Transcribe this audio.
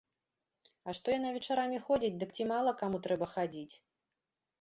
А што яна вечарамі ходзіць, дык ці мала каму трэба хадзіць.